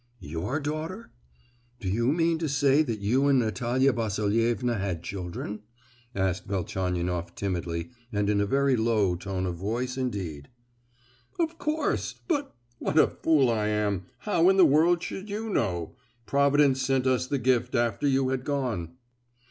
"Your daughter? Do you mean to say that you and Natalia Vasilievna had children?" asked Velchaninoff timidly, and in a very low tone of voice indeed! "Of course—but—what a fool I am—how in the world should you know! Providence sent us the gift after you had gone!"